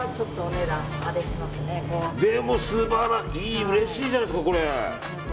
でもうれしいじゃないですか。